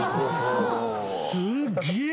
・すっげえ！